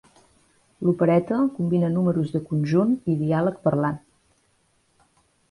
L'opereta combina números de conjunt i diàleg parlat.